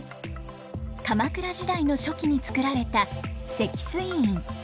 鎌倉時代の初期に作られた石水院。